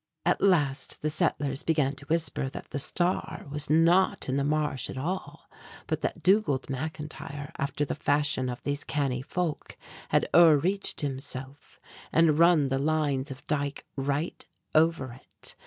At last the settlers began to whisper that the Star was not in the marsh at all, but that Dugald McIntyre, after the fashion of these canny folk, had o'er reached himself, and run the lines of the dike right over it.